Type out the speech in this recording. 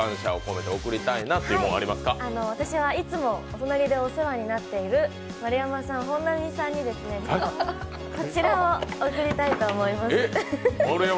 いつもお隣でお世話になっている丸山さん、本並さんにこちらを贈りたいと思います。